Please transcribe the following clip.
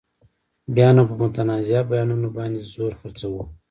بیا نو په متنازعه بیانونو باندې زور خرڅوو.